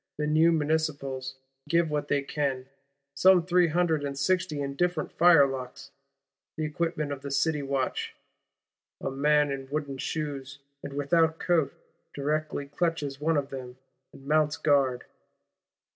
The new Municipals give what they can; some three hundred and sixty indifferent firelocks, the equipment of the City Watch: "a man in wooden shoes, and without coat, directly clutches one of them, and mounts guard."